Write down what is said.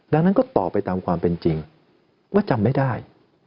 ดังนั้นก็ตอบไปตามความเป็นจริงว่าจำไม่ได้